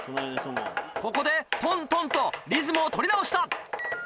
ここでトントンとリズムを取り直した！